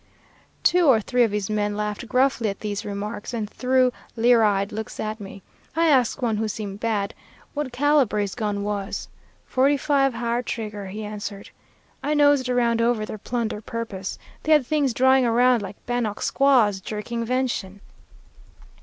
"Two or three of his men laughed gruffly at these remarks, and threw leer eyed looks at me. I asked one who seemed bad, what calibre his gun was. 'Forty five ha'r trigger,' he answered. I nosed around over their plunder purpose. They had things drying around like Bannock squaws jerking venison.